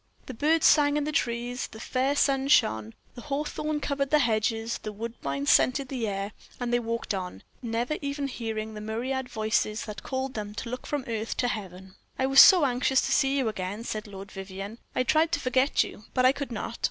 The birds sang in the trees, the fair sun shone, the hawthorn covered the hedges, the woodbine scented the air, and they walked on, never even hearing the myriad voices that called them to look from earth to heaven. "I was so anxious to see you again," said Lord Vivianne. "I tried to forget you, but I could not."